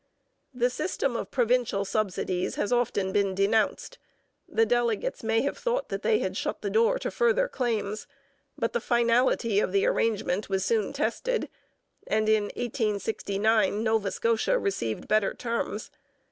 The system of provincial subsidies has often been denounced. The delegates may have thought that they had shut the door to further claims, but the finality of the arrangement was soon tested, and in 1869 Nova Scotia received better terms.